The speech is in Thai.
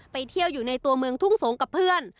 ไปเที่ยวอยู่ในตัวเมืองทุ่งสงกับเพื่อน